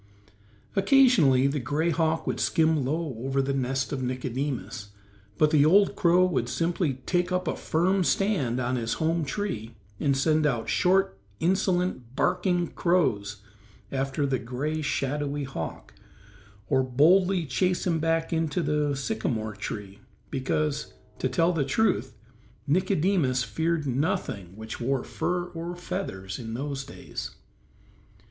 Occasionally the gray hawk would skim low over the nest of Nicodemus, but the old crow would simply take up a firm stand upon his home tree and send out short, insolent, barking crows after the gray, shadowy hawk, or boldly chase him back to the sycamore tree because, to tell the truth, Nicodemus feared nothing which wore fur or feathers in those days.